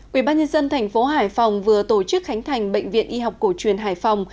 quỹ ban nhân dân thành phố hải phòng vừa tổ chức khánh thành bệnh viện y học cổ truyền hải phòng